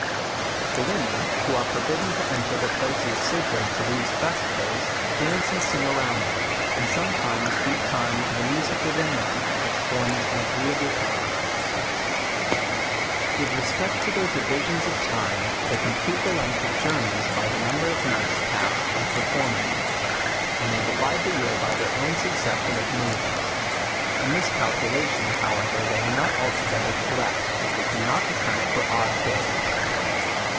The women, who are forbidden to enter the places eacred to these festivals, dance and sing around them, and some times beat time to the music within them; which forms an agreeable contrast. With respect to their divisions of time, they compute the length of journies by the number of nights passed in perfor LEWIS AND CIARKE. 117 ming them; and they divide the year by their own succes sion of moons. In this calculation, however, they are not altogether correct, as they cannot account for odd days.